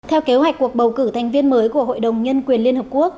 theo kế hoạch cuộc bầu cử thành viên mới của hội đồng nhân quyền liên hợp quốc